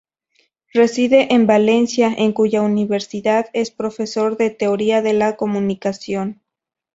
Reside en Valencia, en cuya Universidad es profesor de Teoría de la Comunicación.